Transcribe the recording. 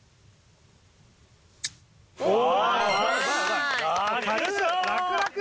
お！